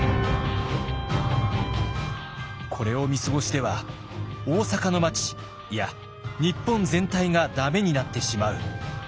これを見過ごしては大坂の町いや日本全体が駄目になってしまう。